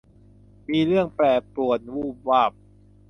มีเรื่องแปรปรวนวูบวาบ